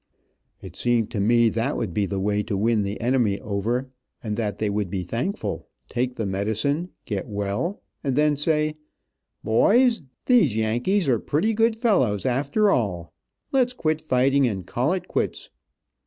It seemed to me that would be the way to win the enemy over, and that they would be thankful, take the medicine, get well, and then say, "Boys, these Yankees are pretty good fellows after all. Let's quit fighting, and call it quits."